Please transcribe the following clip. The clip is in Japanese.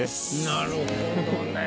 なるほどね。